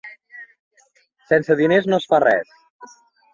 Sense diners no es fa res.